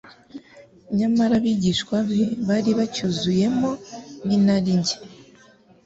nyamara abigishwa be bari bacyuzuwemo n'inarijye